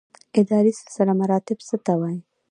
اداري سلسله مراتب څه ته وایي؟